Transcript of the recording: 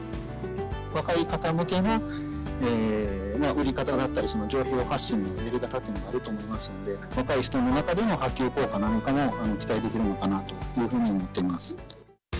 若い方向けの売り方だったり、情報発信の売り方というのもあると思いますので、若い人の中での波及効果なんかも期待できるのかなと思っておりま